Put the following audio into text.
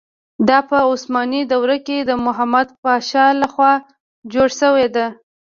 دا په عثماني دوره کې د محمد پاشا له خوا جوړه شوې ده.